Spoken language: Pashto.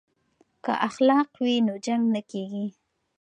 که اخلاق وي نو جنګ نه کیږي.